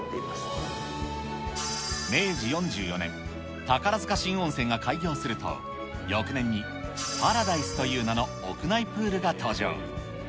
明治４４年、宝塚新温泉が開業すると、翌年にパラダイスという名の屋内プールが登場。